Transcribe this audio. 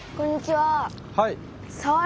はい。